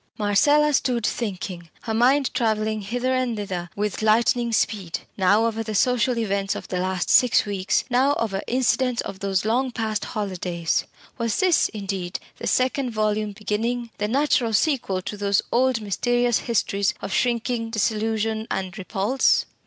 Marcella stood thinking, her mind travelling hither and thither with lightning speed, now over the social events of the last six weeks now over incidents of those long past holidays. Was this, indeed, the second volume beginning the natural sequel to those old mysterious histories of shrinking, disillusion, and repulse?